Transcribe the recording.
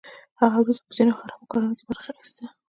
هغه وروسته په ځینو خرابو کارونو کې برخه اخیستې ده